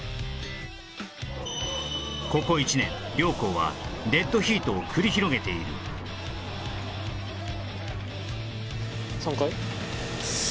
ここ一年両校はデッドヒートを繰り広げている３回？